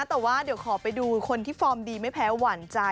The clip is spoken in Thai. แต่ว่าเดี๋ยวขอไปดูคนที่ฟอร์มดีไม่แพ้หวานใจ